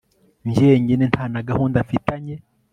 njyenyine ntanagahunda mfitanye